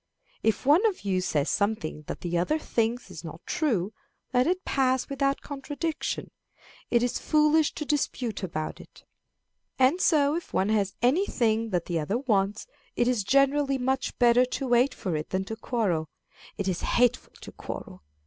If one of you says something that the other thinks is not true, let it pass without contradiction; it is foolish to dispute about it. And so if one has any thing that the other wants, it is generally much better to wait for it than to quarrel. It is hateful to quarrel.